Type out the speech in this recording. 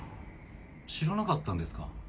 知らなかったんですか。